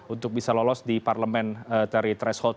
untuk bisa lolos di parliamentary threshold